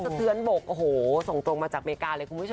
สะเทือนบกโอ้โหส่งตรงมาจากอเมริกาเลยคุณผู้ชม